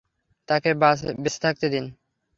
তাকে বেঁচে থাকতে দিন!